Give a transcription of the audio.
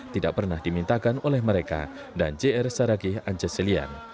tidak pernah dimintakan oleh mereka dan jr saragi ancesilian